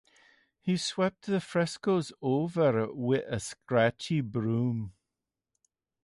He swept the frescoes over with a scratchy broom.